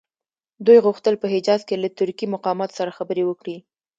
دوی غوښتل په حجاز کې له ترکي مقاماتو سره خبرې وکړي.